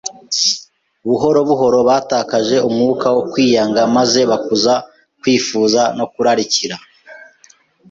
Buhoro buhoro batakaje umwuka wo kwiyanga maze bakuza kwifuza no kurarikira.